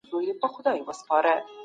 په وضعي قوانینو کي نیمګړتیاوې شتون لري.